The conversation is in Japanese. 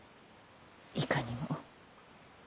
いかにも。